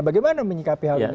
bagaimana menyikapi hal hal